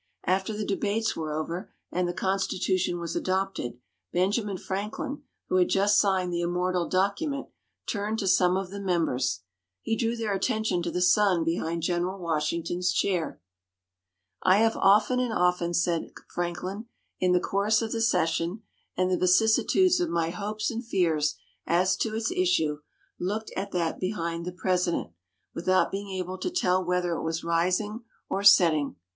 After the debates were over and the Constitution was adopted, Benjamin Franklin, who had just signed the immortal Document, turned to some of the members. He drew their attention to the sun behind General Washington's chair. "I have often and often," said Franklin, "in the course of the session and the vicissitudes of my hopes and fears as to its issue, looked at that behind the President, without being able to tell whether it was rising or setting.